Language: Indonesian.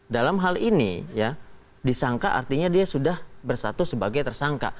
dalam hal ini ya disangka artinya dia sudah bersatu sebagai tersangka